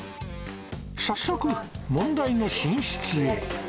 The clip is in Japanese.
早速問題の寝室へ